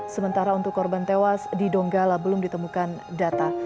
sementara untuk korban tewas di donggala belum ditemukan data